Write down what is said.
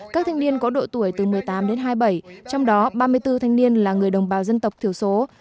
các thanh niên có độ tuổi từ một mươi tám đến hai mươi bảy trong đó ba mươi bốn thanh niên là người đồng bào dân tộc thiểu số